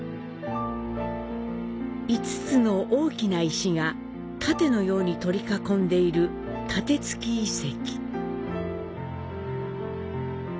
５つの大きな石が楯のように取り囲んでいる楯築遺跡。